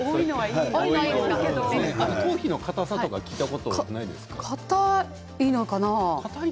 頭皮のかたさはかたいのかな。